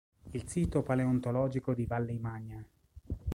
Il sito paleontologico di valle Imagna